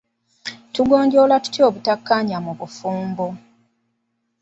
Tugonjoola tutya obutakkaanya mu bufumbo?